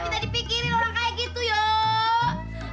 kita dipikirin orang kayak gitu yuk